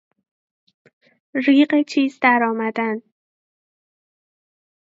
ریغ چیز در آمدن